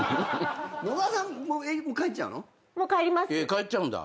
帰っちゃうんだ。